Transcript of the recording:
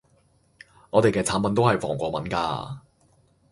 我哋嘅產品都係防過敏㗎